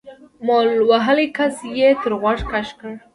مول وهلي کس يې تر غوږ کش کړ.